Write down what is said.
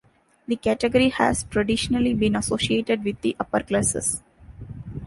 The category has traditionally been associated with the upper classes.